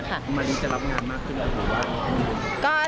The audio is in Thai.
มะลิจะรับงานมากขึ้นหรือเปล่า